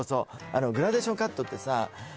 グラデーションカットってさ